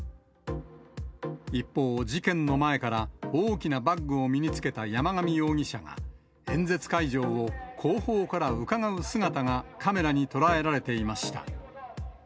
一方、事件の前から大きなバッグを身につけた山上容疑者が、演説会場を後方からうかがう姿がカメラに捉えられていました。